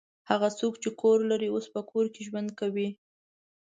هغه څوک چې کور لري اوس په کور کې ژوند کوي.